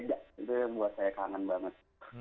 itu yang buat saya kangen banget